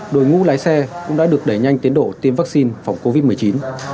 đội ngũ lái xe cũng đã được đẩy nhanh tiến độ tiêm vaccine phòng covid một mươi chín